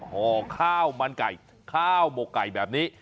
ห่อข้าวมันไก่ข้าวหมกไก่แบบนี้